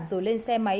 rồi lên xe máy